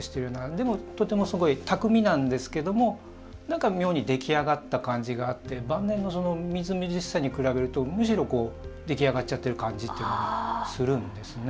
でも、とてもすごい巧みなんですけれどもなんか妙に出来上がった感じがあって晩年のみずみずしさに比べるとむしろ出来上がっちゃっている感じがするんですね。